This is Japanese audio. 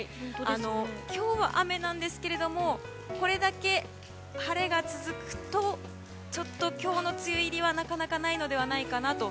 今日は雨なんですけれどもこれだけ晴れが続くとちょっと今日の梅雨入りはなかなかないのではないかなと。